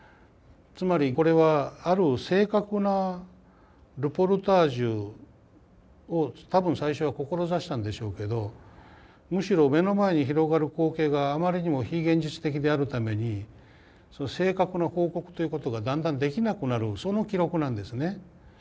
つまりこれはある正確なルポルタージュを多分最初は志したんでしょうけどむしろ目の前に広がる光景があまりにも非現実的であるために正確な報告ということがだんだんできなくなるその記録なんですね。